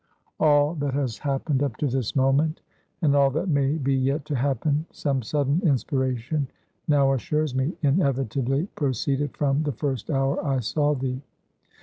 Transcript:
All that has happened up to this moment, and all that may be yet to happen, some sudden inspiration now assures me, inevitably proceeded from the first hour I saw thee.